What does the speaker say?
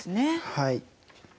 はい。